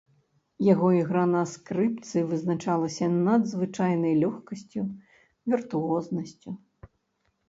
Яго ігра на скрыпцы вызначалася надзвычайнай лёгкасцю, віртуознасцю.